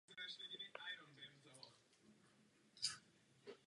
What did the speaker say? Skutečně, vy sám, pane komisaři Verheugene, jste toho příkladem.